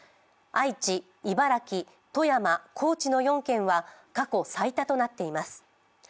愛知、茨城、富山、高知の４県は過去最多となっています。